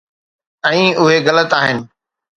۽ اهي غلط آهن.